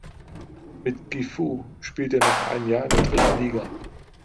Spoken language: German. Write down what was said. Mit Gifu spielt er noch ein Jahr in der dritten Liga.